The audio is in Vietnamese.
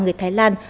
trong thủ đô bangkok